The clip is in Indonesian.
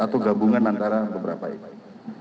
atau gabungan antara beberapa indikasi